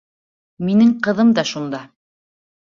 Минең ҡыҙым да шунда.